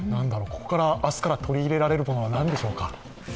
ここから明日から取り入れられるものは何でしょうか。